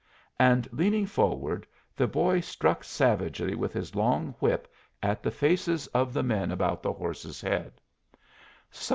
And leaning forward, the boy struck savagely with his long whip at the faces of the men about the horse's head.